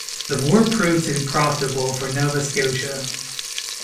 The war proved to be profitable for Nova Scotia.